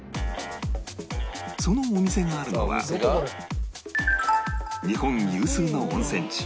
そのお店があるのは日本有数の温泉地